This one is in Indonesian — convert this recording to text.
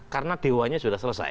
karena dewanya sudah selesai